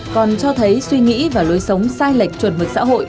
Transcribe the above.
còn cho thấy suy nghĩ và lối sống sai lệch chuẩn mực xã hội